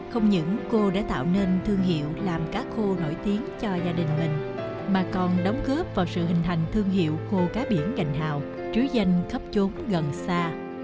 không những cô đã tạo nên thương hiệu làm cá khô nổi tiếng cho gia đình mình mà còn đóng góp vào sự hình thành thương hiệu khô cá biển gành hào trứ danh khắp chốn gần xa